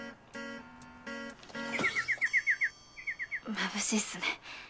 まぶしいっすね。